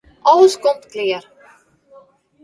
Alles komt klear.